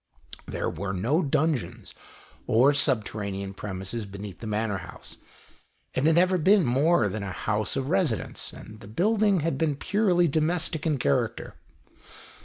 There were no dungeons, or subterranean premises beneath the Manor House. It had never been more than a house of residence, and the building had been purely domestic in character.